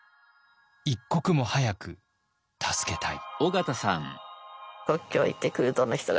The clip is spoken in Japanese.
一刻も早く助けたい。